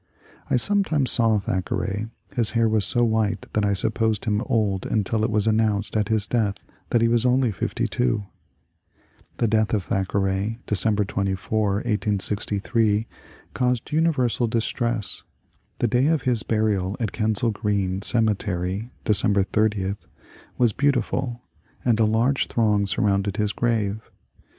I sometimes saw Thackeray ; his hair was so white that I supposed him old until it was announced at his death that he was only fifty two. The death of Thackeray, December 24, 1868, caused uni versal distress. The day of his burial at Kensal Green cemetery (December 80) was beautiful, and a large throng surrounded his grave.